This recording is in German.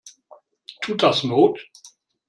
Tut das not?